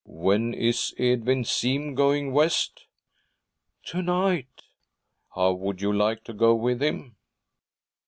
'When is Edwin Seem going West?' 'To night.' 'How would you like to go with him?'